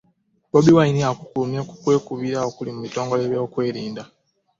Bobi Wine akukkulumye ku kyekubiira ali mu butongole by'ebyokwerinda